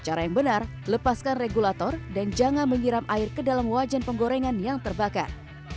cara yang benar lepaskan regulator dan jangan menyiram air ke dalam wajan penggorengan yang terbakar